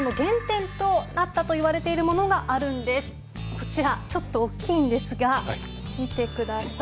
こちらちょっと大きいんですが見て下さい。